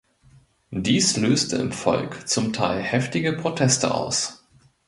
Dies löste im Volk zum Teil heftige Proteste aus.